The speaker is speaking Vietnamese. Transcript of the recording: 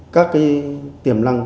các tiềm lăng